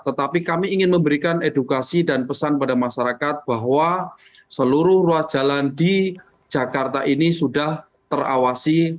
tetapi kami ingin memberikan edukasi dan pesan pada masyarakat bahwa seluruh ruas jalan di jakarta ini sudah terawasi